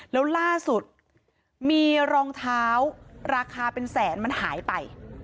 แล้วล่าสุดมีรองเท้าราคาเป็นแสนมันหายไป